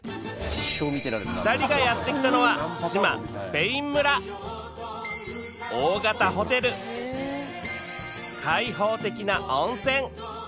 ２人がやって来たのは志摩スペイン村大型ホテル開放的な温泉